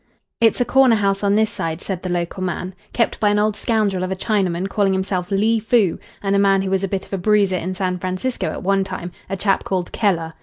"It's a corner house on this side," said the local man, "kept by an old scoundrel of a Chinaman calling himself Li Foo, and a man who was a bit of a bruiser in San Francisco at one time a chap called Keller.